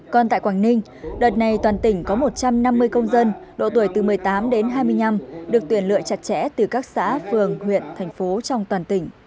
còn tại quảng ninh đợt này toàn tỉnh có một trăm năm mươi công dân độ tuổi từ một mươi tám đến hai mươi năm được tuyển lựa chặt chẽ từ các xã phường huyện thành phố trong toàn tỉnh